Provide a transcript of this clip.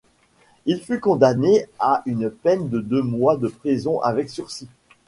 Il fut condamné à une peine de deux mois de prison avec sursis.